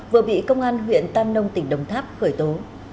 vừa bị công an huyện tam nông tỉnh đồng tháp khởi tố